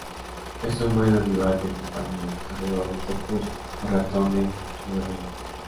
Es un buen animal de compañía, cazador de topos o ratones, y guardián.